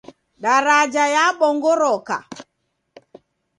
Daraja yabongoroka.